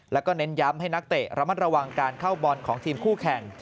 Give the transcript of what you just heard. แล้วก็เน้นย้ำให้นักเตะระมัดระวังการเข้าบอลของทีมคู่แข่ง